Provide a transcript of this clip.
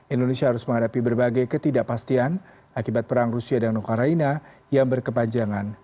indonesia harus menghadapi berbagai ketidakpastian akibat perang rusia dan ukraina yang berkepanjangan